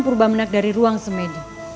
purba benak dari ruang semedi